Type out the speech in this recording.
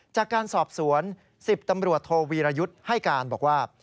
จากการสอบสวน๑๐ตำรวจโทวีรยุทธ์ให้การบอกว่า